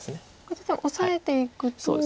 これ例えばオサえていくと。